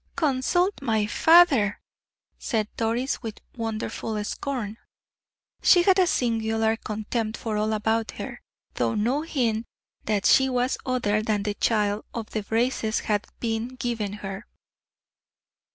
"Consult my father!" said Doris, with wonderful scorn. She had a singular contempt for all about her, though no hint that she was other than the child of the Braces had been given her.